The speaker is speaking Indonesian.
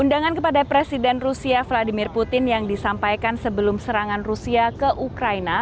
undangan kepada presiden rusia vladimir putin yang disampaikan sebelum serangan rusia ke ukraina